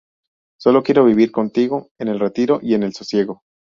Solo quiero vivir contigo en el retiro y en el sosiego.